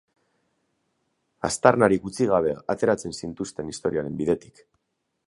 Aztarnarik utzi gabe ateratzen zintuzten historiaren bidetik.